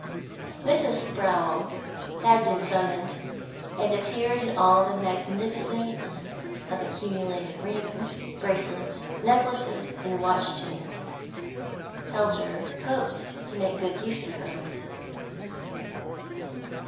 Mrs. Sprowl had been summoned, and appeared in all the magnificence of accumulated rings, bracelets, necklaces, and watch chains. Helter hoped to make good use of her.